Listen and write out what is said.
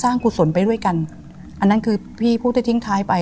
อันนั้นคือพี่พูดได้ทิ้งท้ายไป